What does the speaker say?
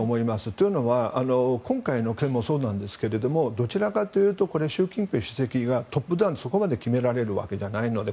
というのは今回の件もそうなんですけれどもどちらかというと習近平主席がトップダウンでそこまで決められるわけじゃないので。